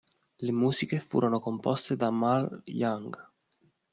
Le musiche furono composte da Marl Young.